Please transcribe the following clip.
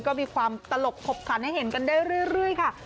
ก็มีความตลกขบขันให้เห็นกันได้เรื่อยค่ะ